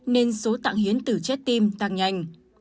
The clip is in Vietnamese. nên số tạng hiến từ chết tim tăng nhanh